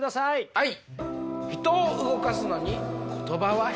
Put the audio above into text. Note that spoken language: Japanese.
はい。